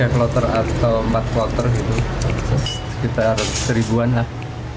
tiga kloter atau empat kloter gitu sekitar seribuan lah